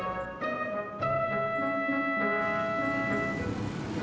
kamu sama amin